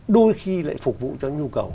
đôi khi lại phục vụ cho nhu cầu